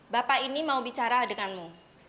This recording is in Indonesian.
bapak ini mau bicara denganmu